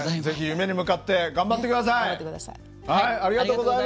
ぜひ夢に向かって頑張って下さい！